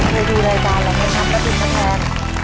เคยดูรายการเราไหมครับสวัสดีครับ